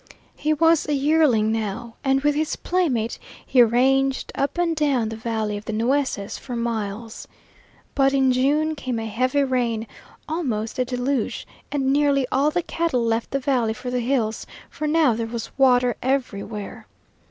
He was a yearling now, and with his playmate he ranged up and down the valley of the Nueces for miles. But in June came a heavy rain, almost a deluge, and nearly all the cattle left the valley for the hills, for now there was water everywhere.